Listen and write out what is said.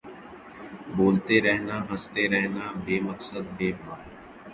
بولتے رہنا ہنستے رہنا بے مقصد بے بات